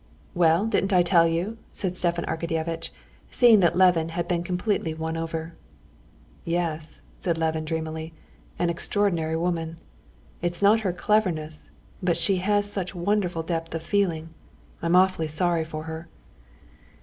"Well, didn't I tell you?" said Stepan Arkadyevitch, seeing that Levin had been completely won over. "Yes," said Levin dreamily, "an extraordinary woman! It's not her cleverness, but she has such wonderful depth of feeling. I'm awfully sorry for her!"